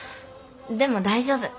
でも大丈夫。